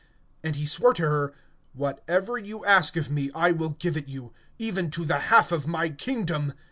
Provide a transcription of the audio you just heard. (23)And he swore to her: Whatever thou shalt ask of me, I will give it thee, unto the half of my kingdom.